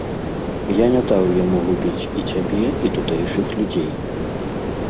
Я не даў яму губіць і цябе, і тутэйшых людзей.